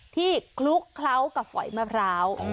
คลุกเคล้ากับฝอยมะพร้าว